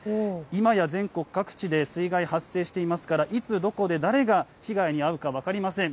今や、全国各地で水害、発生していますから、いつ、どこで、誰が被害に遭うか分かりません。